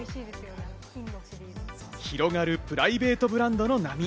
広がるプライベートブランドの波。